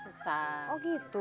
buat bapak berobat itu